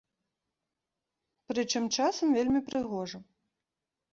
Прычым, часам вельмі прыгожа.